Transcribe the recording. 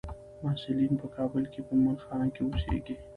محصلین په کابل کې په مهانخانه کې اوسیږي.